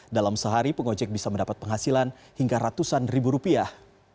dalam sehari pengojek bisa mendapat penghasilan hingga ratusan ribu rupiah